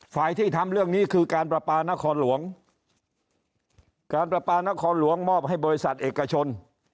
ที่ทำเรื่องนี้คือการประปานครหลวงการประปานครหลวงมอบให้บริษัทเอกชน